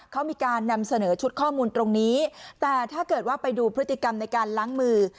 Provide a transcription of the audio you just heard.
เขามีการนำเสนอชุดข้อมูลตรงนี้แต่ถ้าเกิดว่าไปดูพฤติกรรมในการล้างมือ